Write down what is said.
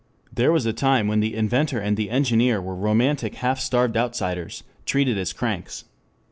There was a time when the inventor and the engineer were romantic half starved outsiders, treated as cranks.